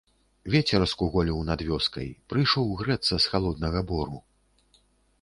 Вецер скуголіў над вёскай, прыйшоў грэцца з халоднага бору.